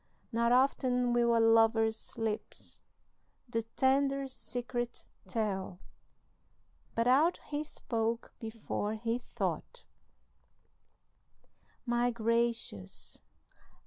Not often will a lover's lips The tender secret tell, But out he spoke before he thought, "My gracious!